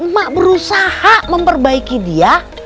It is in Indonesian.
mak berusaha memperbaiki dia